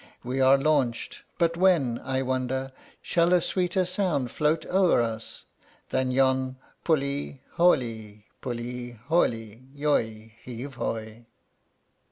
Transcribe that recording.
We are launched! But when, I wonder, shall a sweeter sound float o'er us Than yon "pull'e haul'e, pull'e haul'e, yoy! heave, hoy!"